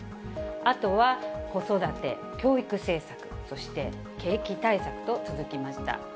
あとは子育て・教育政策、そして景気対策と続きました。